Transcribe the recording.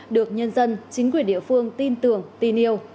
được nhân dân chính quyền địa phương tin tưởng tin yêu